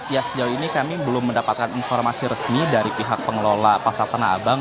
ya sejauh ini kami belum mendapatkan informasi resmi dari pihak pengelola pasar tanah abang